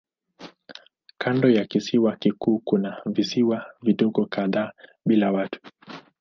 Kando ya kisiwa kikuu kuna visiwa vidogo kadhaa bila watu.